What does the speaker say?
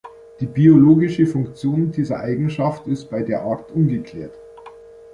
Die biologische Funktion dieser Eigenschaft ist bei der Art ungeklärt.